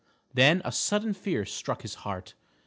Then a sudden fear struck his heart.